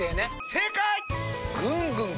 正解！